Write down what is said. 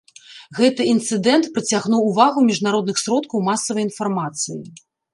Гэты інцыдэнт прыцягнуў увагу міжнародных сродкаў масавай інфармацыі.